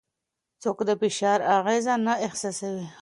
څوک د فشار اغېزه نه احساسوي؟